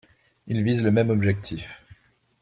Il vise le même objectif.